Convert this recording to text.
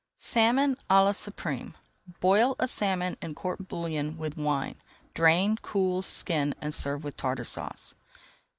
SALMON À LA SUPRÊME Boil a salmon in court bouillon with wine, drain, cool, skin, and serve with Tartar Sauce.